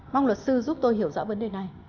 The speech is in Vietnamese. mong luật sư giúp tôi hiểu rõ vấn đề này